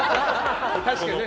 確かにね。